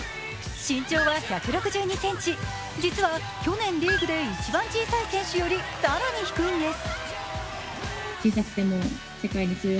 身長は１６２ｃｍ、実は去年リーグで一番小さい選手より更に低いんです。